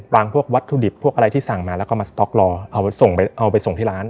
พรางพวกวัตถุดิบพวกอะไรที่สั่งมาแล้วก็มาสต๊อกลอเอาไปส่งที่ร้าน